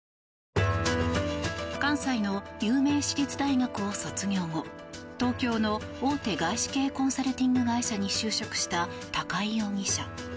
関西の有名私立大学を卒業後東京の大手外資系コンサルティング会社に就職した高井容疑者。